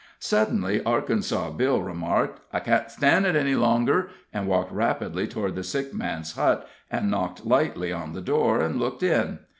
Suddenly Arkansas Bill remarked, "I can't stan' it any longer," and walked rapidly toward the sick man's hut, and knocked lightly on the door, and looked in.